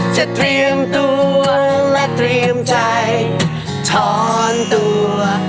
เตรียมตัวและเตรียมใจถอนตัว